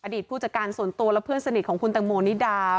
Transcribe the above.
ผู้จัดการส่วนตัวและเพื่อนสนิทของคุณตังโมนิดา